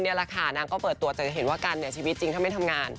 แล้วค่ะนางก็เปิดตัวจากเงี่ยเห็นว่ากันชีวิตจริงถ้าไม่ทำงาน